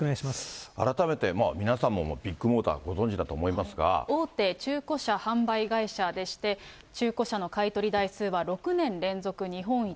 改めて、まあ皆さんもビッグモーター、大手中古車販売会社でして、中古車の買い取り台数は６年連続日本一。